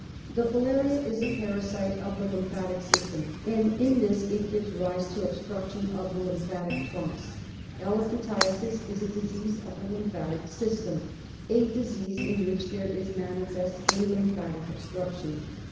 The filaria is a parasite of the lymphatic system, and in this it gives rise to obstruction of the lymphatic trunks. Elephantiasis is a disease of the lymphatic system, a disease in which there is manifest a lymphatic obstruction.